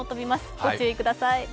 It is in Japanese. ご注意ください。